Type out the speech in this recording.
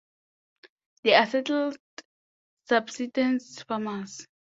They are settled subsistence farmers.